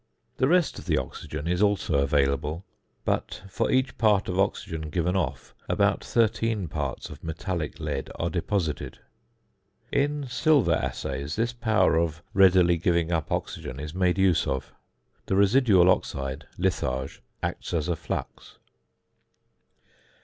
The rest of the oxygen is also available; but for each part of oxygen given off, about 13 parts of metallic lead are deposited. In silver assays this power of readily giving up oxygen is made use of. The residual oxide (litharge) acts as a flux.